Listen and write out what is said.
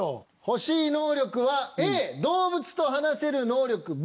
欲しい能力はＡ動物と話せる能力